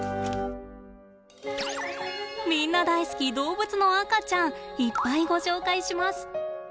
みんな大好き動物の赤ちゃんいっぱいご紹介します。